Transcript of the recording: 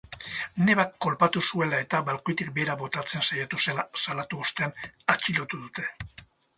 Nebak kolpatu zuela eta balkoitik behera botatzen saiatu zela salatu ostean atxilotu dute.